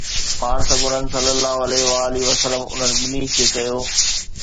پاڻ سڳورن صلي الله عليه وآله وسلم انهن ٻنهي کي چيو